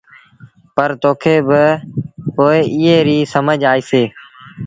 پر توکي پوء ايٚئي ريٚ سمجھ آئيٚسي۔